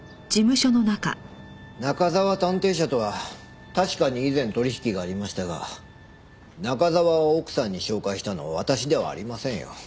中沢探偵社とは確かに以前取引がありましたが中沢を奥さんに紹介したのは私ではありませんよ。